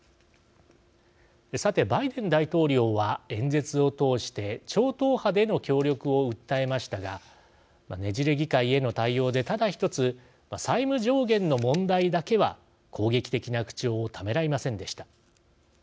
さて、バイデン大統領は演説を通して超党派での協力を訴えましたがねじれ議会への対応でただ１つ、債務上限の問題だけは攻撃的な口調をためらいませんでした。